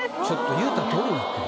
言うたとおりになってる。